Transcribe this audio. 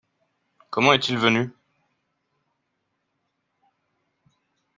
Comment est-il venu ?